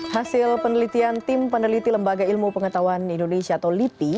hasil penelitian tim peneliti lembaga ilmu pengetahuan indonesia atau lipi